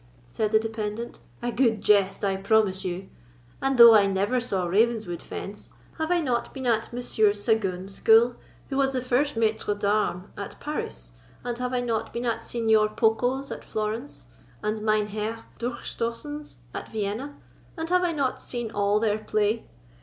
said the dependant—"a good jest, I promise you! And though I never saw Ravenswood fence, have I not been at Monsieur Sagoon's school, who was the first maître d'armes at Paris; and have I not been at Signor Poco's at Florence, and Meinheer Durchstossen's at Vienna, and have I not seen all their play?"